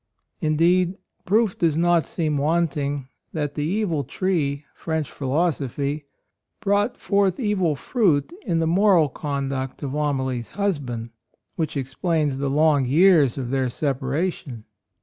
Indeed, proof does not seem wanting that the evil tree — French philosophy — brought forth evil fruit in the moral conduct of Amalie's husband, which explains the long years of their separation.